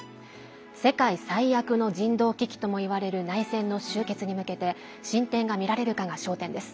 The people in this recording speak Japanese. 世界最悪の人道危機ともいわれる内戦の終結に向けて進展がみられるかが焦点です。